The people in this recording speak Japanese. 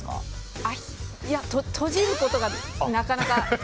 閉じることがなかなか。